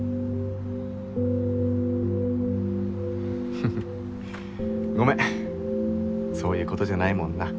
ふふっごめんそういうことじゃないもんな